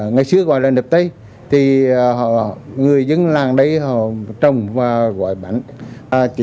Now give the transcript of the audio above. người dân làng đấy họ trồng và gói bánh